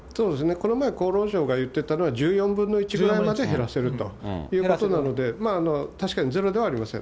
この前、厚労省が言ってたのは１４分の１ぐらいにまで減らせるということなので、まあ確かにゼロではありません。